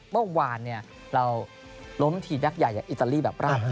เมื่อวานเราล้มที่นักใหญ่อิตาลีแบบราบ